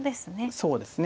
そうですね。